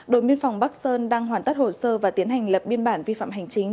đồn biên phòng bắc sơn đang hoàn tất hồ sơ và tiến hành lập biên bản vi phạm hành chính